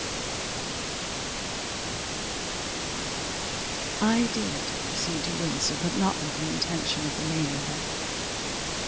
I did proceed to Windsor, but not with the intention of remaining there.